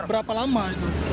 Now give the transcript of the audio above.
berapa lama itu